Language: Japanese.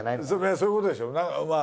そういうことでしょまあ